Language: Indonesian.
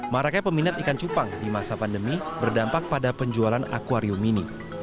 marakai peminat ikan cupang di masa pandemi berdampak pada penjualan akwarium ini